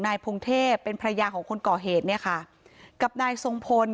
พงเทพเป็นภรรยาของคนก่อเหตุเนี่ยค่ะกับนายทรงพล